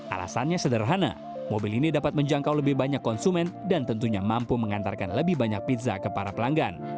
alasannya sederhana mobil ini dapat menjangkau lebih banyak konsumen dan tentunya mampu mengantarkan lebih banyak pizza ke para pelanggan